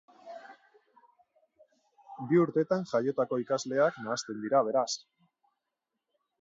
Bi urtetan jaiotako ikasleak nahasten dira, beraz.